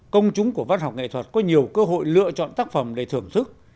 công chúng của văn học nghệ thuật có nhiều cơ hội lựa chọn tác phẩm để thưởng thức